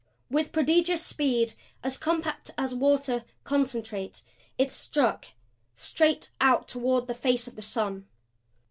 With prodigious speed, as compact as water, CONCENTRATE, it struck straight out toward the face of the sun.